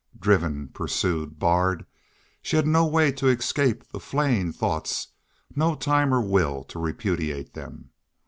Driven, pursued, barred, she had no way to escape the flaying thoughts, no time or will to repudiate them.